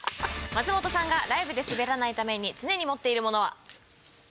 松本さんがライブでスベらないために常に持っているものは？